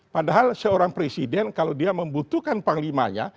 padahal seorang presiden kalau dia membutuhkan panglimanya